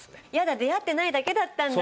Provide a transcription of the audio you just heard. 出会ってないだけだったんだ！